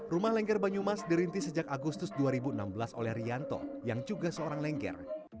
rumah lengger banyumas dirintis sejak agustus dua ribu enam belas oleh rianto yang juga seorang lengger